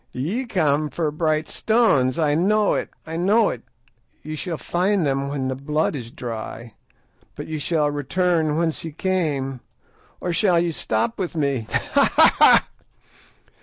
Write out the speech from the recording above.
Ye come for bright stones; I know it—I know it; ye shall find them when the blood is dry; but shall ye return whence ye came, or shall ye stop with me? _Ha! ha! ha!